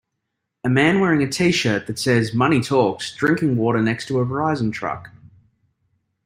A man wearing a tshirt that says money talks drinking water next to a Verizon truck.